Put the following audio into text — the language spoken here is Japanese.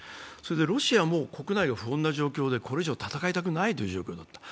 ロシアも国内が不穏な状況でこれ以上戦いたくないという状況だった。